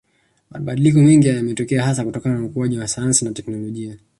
Mabadiliko mengi yametokea hasa kutokana na ukuaji wa sayansi na technolojia